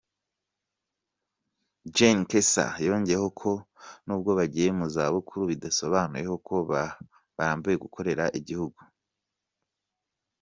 Gen Caesar yongeyeho ko nubwo bagiye mu zabukuru bidasobanuye ko bari barambiwe gukorera igihugu.